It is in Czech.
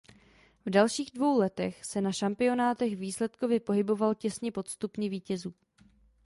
V dalších dvou letech se na šampionátech výsledkově pohyboval těsně pod stupni vítězů.